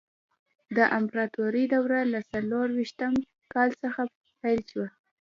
د امپراتورۍ دوره له څلور ویشتم کال څخه پیل شوه.